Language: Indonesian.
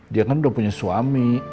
dia kan udah punya suami